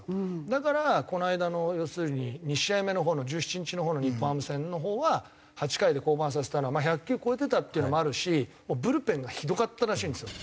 だからこの間の要するに２試合目のほうの１７日のほうの日本ハム戦のほうは８回で降板させたのはまあ１００球超えてたっていうのもあるしもうブルペンがひどかったらしいんですよ。